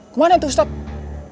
kemana tuh ustadz